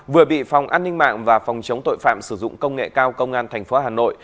vừa bị phòng an ninh mạng và phòng chống tội phạm sử dụng công nghệ cao công an tp hà nội